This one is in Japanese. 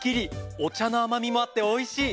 お茶のあまみもあっておいしい！